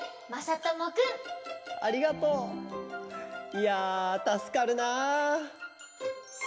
いやたすかるなあ。